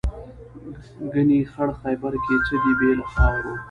ګنې خړ خیبر کې څه دي بې له خاورو.